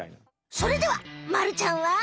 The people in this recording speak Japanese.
それではまるちゃんは？